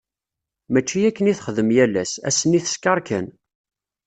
Mačči akken i texdem yal ass, ass-nni teskeṛ kan.